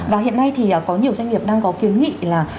và hiện nay thì có nhiều doanh nghiệp đang có kiến nghị là